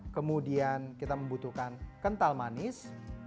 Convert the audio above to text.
kemudian kita membutuhkan kental manis